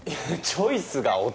チョイスが乙女！